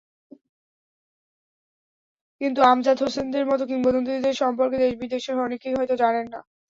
কিন্তু আমজাদ হোসেনদের মতো কিংবদন্তিদের সম্পর্কে দেশ-বিদেশের অনেকেই হয়তো জানেন না।